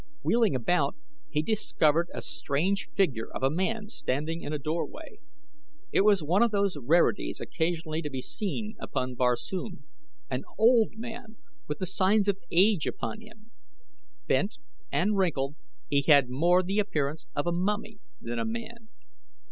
Wheeling about, he discovered a strange figure of a man standing in a doorway. It was one of those rarities occasionally to be seen upon Barsoom an old man with the signs of age upon him. Bent and wrinkled, he had more the appearance of a mummy than a man.